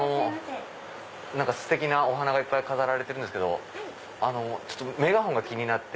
ステキなお花がいっぱい飾られてるんですけどメガホンが気になって。